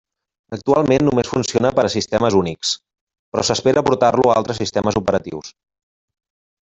Actualment només funciona per a sistemes Unix, però s'espera portar-lo a altres sistemes operatius.